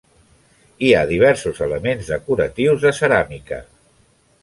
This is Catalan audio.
Hi ha diversos elements decoratius de ceràmica.